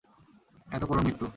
এত করুণ মৃত্যু।